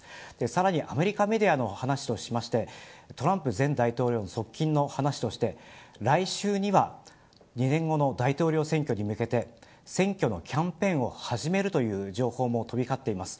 さらにアメリカメディアの話としてトランプ前大統領の側近の話として来週には２年後の大統領選挙に向けて選挙のキャンペーンを始めるという情報も飛び交っています。